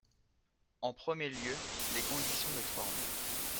En premier lieu, les conditions de forme.